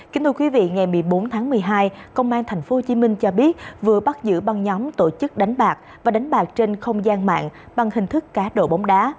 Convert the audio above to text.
kính thưa quý vị ngày một mươi bốn tháng một mươi hai công an tp hcm cho biết vừa bắt giữ băng nhóm tổ chức đánh bạc và đánh bạc trên không gian mạng bằng hình thức cá độ bóng đá